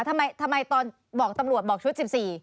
ทำไมตอนบอกตำรวจบอกชุด๑๔